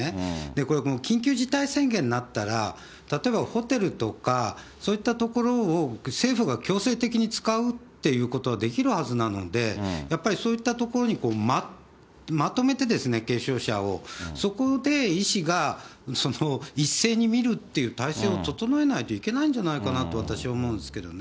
これ、緊急事態宣言になったら、例えば、ホテルとか、そういった所を政府が強制的に使うっていうことはできるはずなので、やっぱりそういった所にまとめて軽症者を、そこで医師が一斉に見るっていう体制を整えないといけないんじゃないかなと私は思うんですけどね。